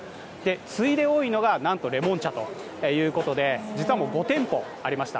次いで多いのが、なんとレモン茶ということで、なんと５店舗ありました。